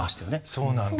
そうなんだ。